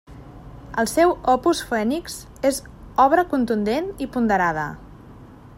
El seu Opus Phoenix és obra contundent i ponderada.